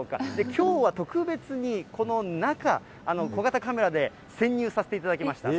きょうは特別にこの中、小型カメラで潜入させていただきました。